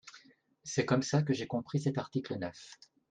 C’est comme ça que j’ai compris cet article neuf.